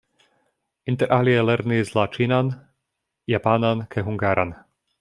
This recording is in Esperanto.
Interalie lernis la ĉinan, japanan kaj hungaran.